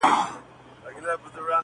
• سره يو به کي موجونه -